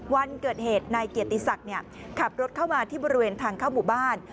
วันเกิดเหตุนายเกียรติศักดิ์ขับรถเข้ามาที่บริเวณทางเข้าหมู่บ้าน